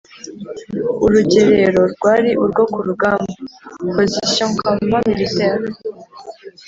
Urugerero rwari urwo ku rugamba (position/campement militaire),